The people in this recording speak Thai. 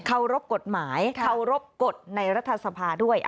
เคารพกฎหมายเคารพกฎในรัฐสภาด้วย